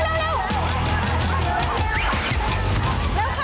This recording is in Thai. เร็วเข้า